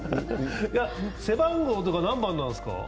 背番号とか何番なんですか？